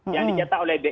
yang dicetak oleh bi